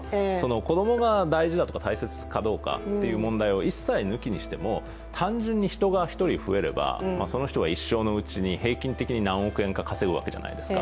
子供が大事だとか、大切だという問題を一切抜きにしても単純に人が１人増えれば、その人が一生のうちに平均的に何億円か稼ぐわけじゃないですか。